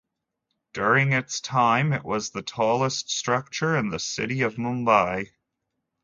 During its time, it was the tallest structure in the city of Mumbai.